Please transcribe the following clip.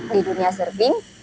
di dunia serving